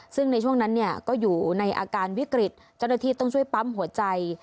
ซึ่งในช่วงนั้นเนี่ยก็อยู่ในอาการวิกฤตเจ้าหน้าที่ต้องช่วยปั๊มหัวใจ